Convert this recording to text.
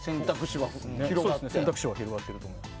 選択肢は広がってると思います。